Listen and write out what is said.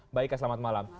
mbak ika selamat malam